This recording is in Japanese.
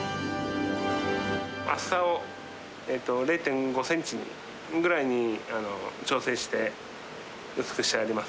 厚さを０．５センチぐらいに調整して、薄くしてあります。